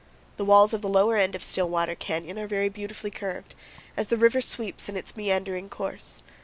The walls of the lower end of Stillwater Canyon are very beautifully curved, as the river sweeps in its meandering course.